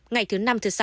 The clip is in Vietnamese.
ngày thứ năm sáu